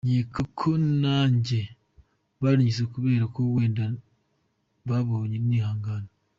Nkeka ko nanjye barinyise kubera ko wenda babonye nihangana.